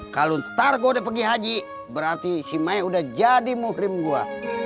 kalau ntar gua udah pergi haji berarti si maya udah jadi muhrim gua